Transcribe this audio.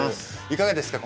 いかがですか？